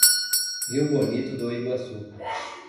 Rio Bonito do Iguaçu